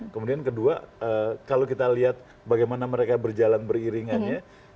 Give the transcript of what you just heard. kemudian kedua kalau kita lihat bagaimana mereka berjalan beriringannya